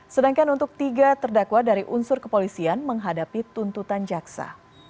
sedangkan untuk tiga terdakwa dari unsur kepolisian menghadapi tuntutan jaksa